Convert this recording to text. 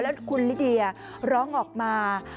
แล้วคุณลิเดียร้องออกมา